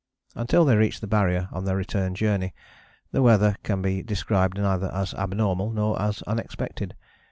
Until they reached the Barrier on their return journey the weather can be described neither as abnormal nor as unexpected.